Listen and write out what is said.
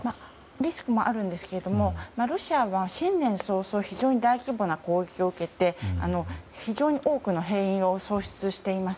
リスクもあるんですがロシアは新年早々非常に大規模な攻撃を受けて非常に多くの兵員を喪失しています。